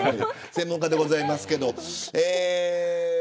専門家でございますけど。